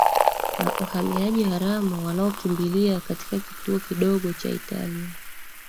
na uhamiaji haramu wanaokimbilia katika kituo kidogo cha italia